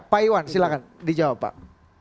pak iwan silahkan dijawab pak